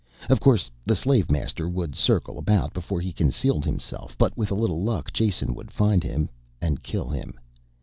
Of course the slave master would circle about before he concealed himself, but with a little luck Jason would find him. And kill him.